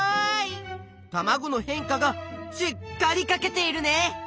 たまごの変化がしっかりかけているね！